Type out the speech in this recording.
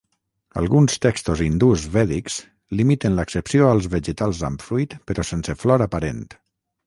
Alguns textos hindús vèdics limiten l'accepció als vegetals amb fruit però sense flor aparent.